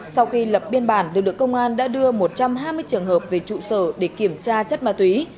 sau khi lập biên bản lực lượng công an đã đưa một trăm hai mươi trường hợp về trụ sở để kiểm tra chất ma túy